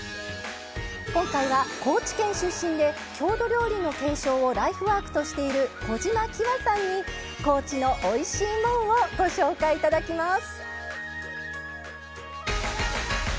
今回は高知県出身で郷土料理の継承をライフワークとしている小島喜和さんに「高知のおいしいもん」をご紹介いただきます